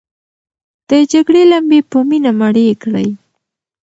د جګړې لمبې په مینه مړې کړئ.